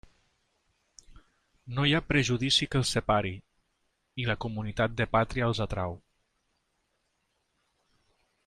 No hi ha prejudici que els separi, i la comunitat de pàtria els atrau.